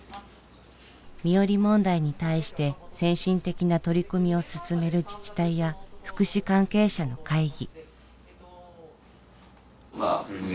身寄り問題に対して先進的な取り組みを進める自治体や福祉関係者の会議。